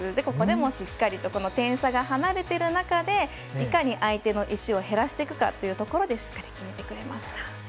ここでもしっかりと点差が離れている中でいかに相手の石を減らしていくかというところでしっかり決めてくれました。